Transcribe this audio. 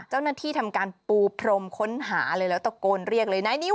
เจ้าหน้าที่ทำการปูพรมค้นหาเลย